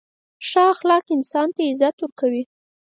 • ښه اخلاق انسان ته عزت ورکوي.